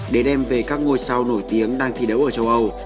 để đem về các ngôi sao nổi tiếng đang thi đấu ở châu âu